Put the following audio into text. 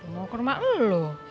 mau ke rumah elu